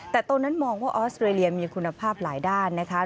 แต่ตอนนั้นมองว่าออสเตรเลียมีคุณภาพหลายด้านนะคะ